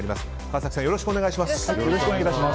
川崎さん、よろしくお願いします。